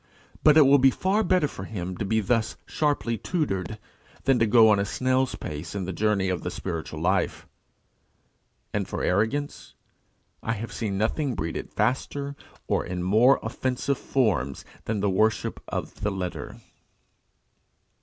But it will be far better for him to be thus sharply tutored, than to go on a snail's pace in the journey of the spiritual life. And for arrogance, I have seen nothing breed it faster or in more offensive forms than the worship of the letter.